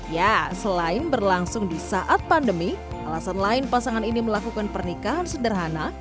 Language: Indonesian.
ya selain berlangsung di saat pandemi alasan lain pasangan ini melakukan pernikahan sederhana